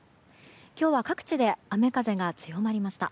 今日は各地で雨風が強まりました。